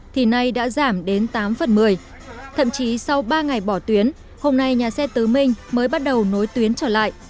thì nay đã giảm đến tám phần một mươi thậm chí sau ba ngày bỏ tuyến hôm nay nhà xe tứ minh mới bắt đầu nối tuyến trở lại